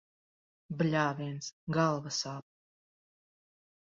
Bļāviens, galva sāp.